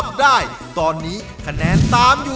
บ๊ายบาย